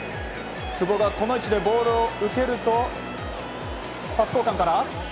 久保がこの位置でボールを受けるとパス交換から。